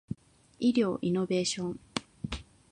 医療イノベーション